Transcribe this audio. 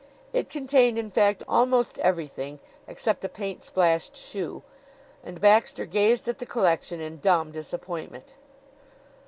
It contained, in fact, almost everything except a paint splashed shoe, and Baxter gazed at the collection in dumb disappointment.